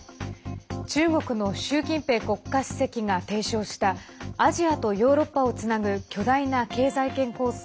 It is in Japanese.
中国の習近平国家主席が提唱したアジアとヨーロッパをつなぐ巨大な経済圏構想